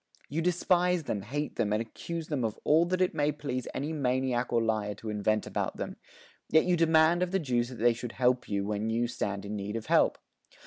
You despise them, hate them, and accuse them of all that it may please any maniac or liar to invent about them. Yet you demand of the Jews that they should help you, when you stand in need of help.